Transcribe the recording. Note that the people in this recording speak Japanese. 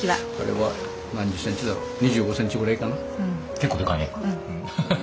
結構でかいね。